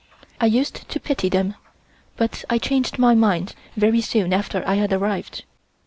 I used to pity them, but I changed my mind very soon after I had arrived.